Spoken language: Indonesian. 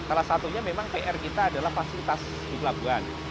salah satunya memang pr kita adalah fasilitas di pelabuhan